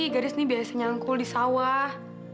garis ini biasa nyangkul di sawah